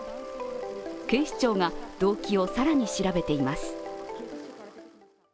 警視庁が動機を更に調べています。